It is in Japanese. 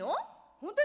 本当に？